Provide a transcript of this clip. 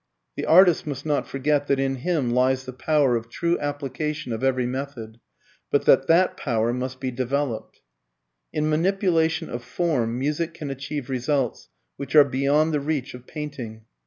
The artist must not forget that in him lies the power of true application of every method, but that that power must be developed. In manipulation of form music can achieve results which are beyond the reach of painting.